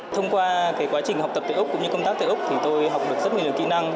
thông qua quá trình học tập tại úc cũng như công tác tại úc thì tôi học được rất nhiều kỹ năng